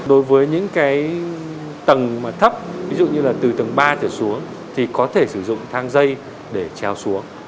đối với những cái tầng mà thấp ví dụ như là từ tầng ba trở xuống thì có thể sử dụng thang dây để treo xuống